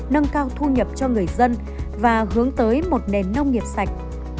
nâng cao thu nhập cho người dân và hướng tới một nền nông nghiệp sạch